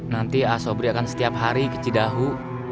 nanti ah sobri akan setiap hari ke cidahu